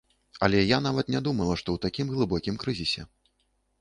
Але я нават не думала, што ў такім глыбокім крызісе.